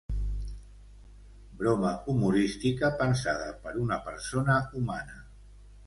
Broma humorística pensada per una persona humana.